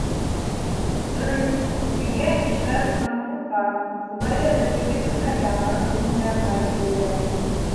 Дөрөҫ, килгән кешеләр унан ҡурҡа, шулай ҙа бер-ике көндән яңынан уның янына киләләр.